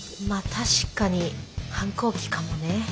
確かに反抗期かもね。